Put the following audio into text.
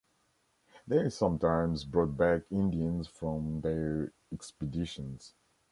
They sometimes brought back Indians from their expeditions.